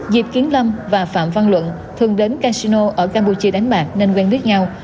diệp kiến lâm và phạm văn luận thường đến casino ở campuchia đánh bạc nên quen biết nhau